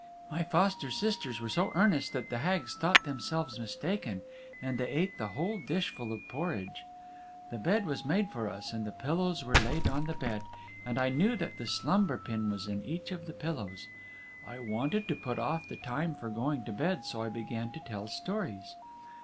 My foster sisters were so earnest that the Hags thought themselves mistaken, and they ate the whole dishful of porridge. The bed was made for us, and the pillows were laid on the bed, and I knew that the slumber pin was in each of the pillows. I wanted to put off the time for going to bed so I began to tell stories.